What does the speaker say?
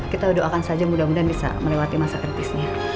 kita doakan saja mudah mudahan bisa melewati masa kritisnya